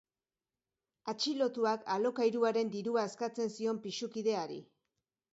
Atxilotuak alokairuaren dirua eskatzen zion pisu-kideari.